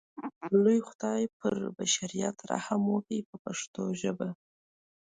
لوی خدای پر بشریت رحم وکړ په پښتو ژبه.